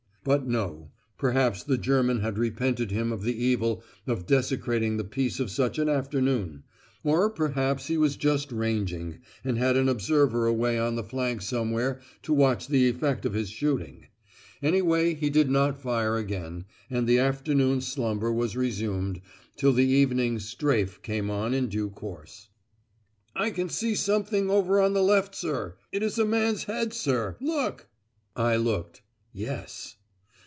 But, no. Perhaps the German had repented him of the evil of desecrating the peace of such an afternoon; or perhaps he was just ranging, and had an observer away on the flank somewhere to watch the effect of his shooting. Anyway he did not fire again, and the afternoon slumber was resumed, till the evening "strafe" came on in due course. "I can see something over on the left, sir. It is a man's head, sir! Look!" I looked. Yes!